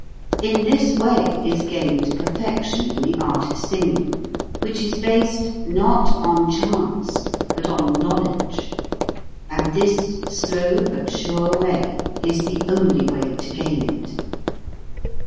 In this way is gained perfec tion in the art of singing, which is based, not on chance, but on knowledge; and this slow but sure way is the only way to gain it.